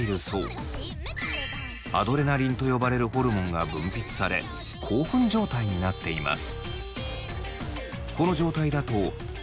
アドレナリンと呼ばれるホルモンが分泌され興奮状態になっています。